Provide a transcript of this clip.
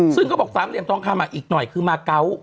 ซึ่งเขาบอกสามเหลี่ยมทองคำอีกหน่อยคือมาเกาะ